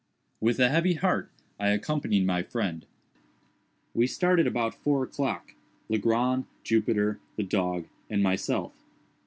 With a heavy heart I accompanied my friend. We started about four o'clock—Legrand, Jupiter, the dog, and myself.